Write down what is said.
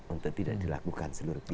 untuk tidak dilakukan seluruh pihak